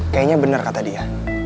kayaknya bener kata dia